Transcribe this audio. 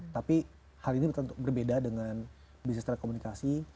tapi hal ini tentu berbeda dengan bisnis telekomunikasi